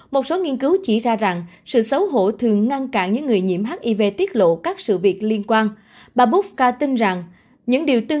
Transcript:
một số nghiên cứu chỉ ra rằng sự xấu hổ thường ngăn cản những người nhiễm hiv tiết lộ các sự việc liên quan